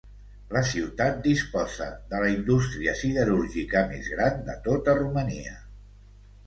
La ciutat disposa de la indústria siderúrgica més gran de tota Romania.